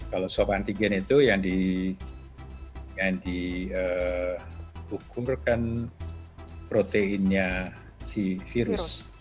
kalau swab antigen itu yang dihukum kan proteinnya si virus